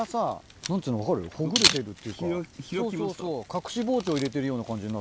隠し包丁入れてるような感じに。